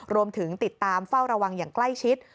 รวมถึงติดตามเฝ้าระวังอย่างใกล้ชิด